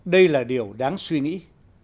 đây là điều đáng suy nghĩ